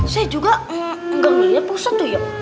saya juga gak ngeliat pusat tuh ya